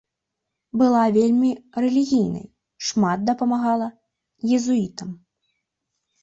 Была вельмі рэлігійнай, шмат дапамагала езуітам.